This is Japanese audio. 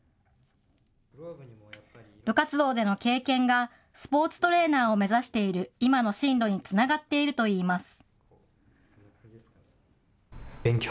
部活動での経験が、スポーツトレーナーを目指している今の進路につながっているといいます。